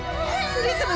プリズム！